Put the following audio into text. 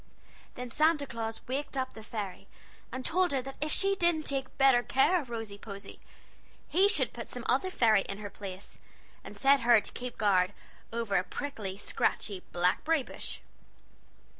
Then Santa Claus waked up the fairy, and told her that if she didn't take better care of Rosy Posy he should put some other fairy into her place, and set her to keep guard over a prickly, scratchy, blackberry bush."